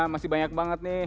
masih banyak banget nih